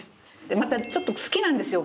またちょっと好きなんですよ